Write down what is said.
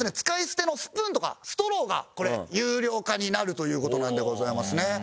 使い捨てのスプーンとかストローがこれ有料化になるという事なんでございますね。